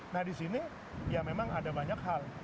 nah di sini ya memang ada banyak hal